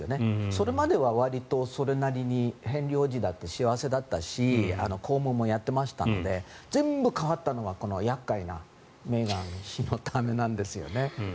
それまではわりと、それなりにヘンリー王子だって幸せだったし公務もやってましたので全部変わったのは、厄介なメーガン妃のためなんですよね。